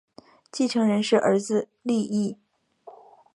继承人是儿子利意。